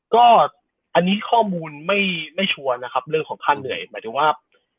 ก็อันนี้ข้อมูลไม่ชัวร์นะครับเรื่องของค่าเหนื่อยหมายถึงว่า